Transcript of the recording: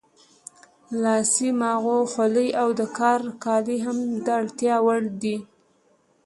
لاس ماغو، خولۍ او د کار کالي هم د اړتیا وړ دي.